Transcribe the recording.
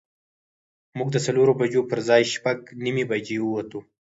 موږ د څلورو بجو پر ځای شپږ نیمې بجې ووتو.